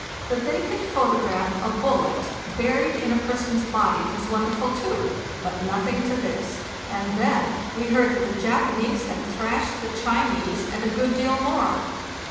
That they could photograph a bullet buried in a person's body was wonderful too, but nothing to this. And then we heard that the Japanese had thrashed the Chinese, and a good deal more.